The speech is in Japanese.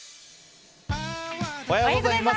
おはようございます。